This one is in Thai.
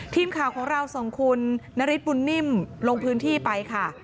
ทีมข่าวของเรา๒คุณนริตปุ่นนิมลงพื้นที่ไปค่ะ